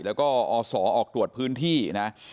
แล้วก็อศออกตรวจพื้นที่นะ